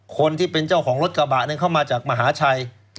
คนที่เป็นเจ้าของรถกระบะนั้นเข้ามาจากมหาชัย